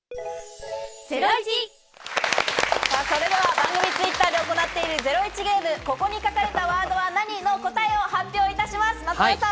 番組Ｔｗｉｔｔｅｒで行っているゼロイチゲーム、「ここに書かれたワードは何？」の答えは発表いたします。